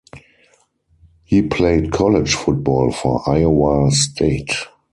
He played college football for Iowa State.